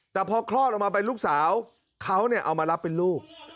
แต่พอคลอดออกมาเป็นลูกสาวเขาเอามารับเป็นลูก